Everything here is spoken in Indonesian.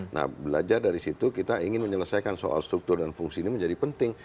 nah belajar dari situ kita ingin menyelesaikan soal struktur dan fungsi ini menjadi penting